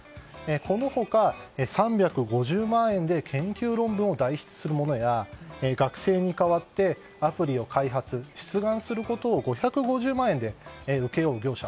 この他、３５０万円で研究論文を代筆するものや、学生に代わってアプリを開発・出願することを５５０万円で請け負う業者